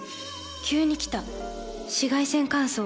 急に来た紫外線乾燥。